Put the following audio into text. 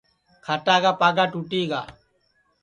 کھاٹا کا پاگا ٹُوٹی گا